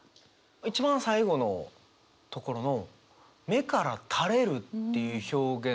一番最後のところの「目から垂れる」っていう表現。